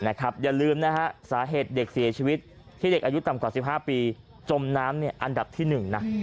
อย่าลืมนะฮะสาเหตุเด็กเสียชีวิตที่เด็กอายุต่ำกว่า๑๕ปีจมน้ำอันดับที่๑นะ